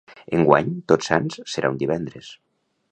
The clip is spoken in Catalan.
Enguany, Tots Sants serà un divendres.